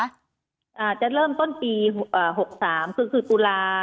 ใช่ไหมคะอ่าจะเริ่มต้นปีอ่าหกสามคือคือตุลา